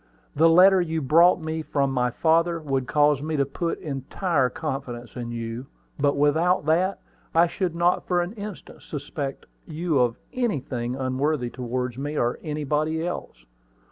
"The letter you brought me from my father would cause me to put entire confidence in you; but without that, I should not for an instant suspect you of anything unworthy towards me, or anybody else.